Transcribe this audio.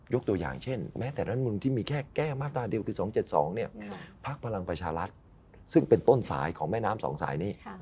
ตัวอย่างเช่นแม้แต่รัฐมนุนที่มีแค่แก้มาตราเดียวคือ๒๗๒พักพลังประชารัฐซึ่งเป็นต้นสายของแม่น้ำสองสายนี้